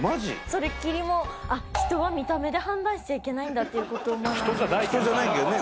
それっきりもう人は見た目で判断しちゃいけないんだって学んで人じゃないけどね